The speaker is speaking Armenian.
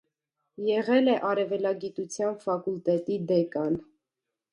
Եղել է արևելագիտության ֆակուլտետի դեկան։